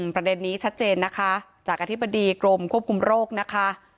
ประเด็นนี้ชัดเจนนะคะจากอธิบดีกรมควบคุมโรคนะคะ